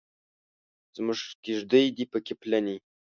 زموږ کیږدۍ دې پکې پلنې.